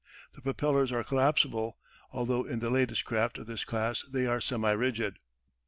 The propellers are collapsible, although in the latest craft of this class they are semi rigid.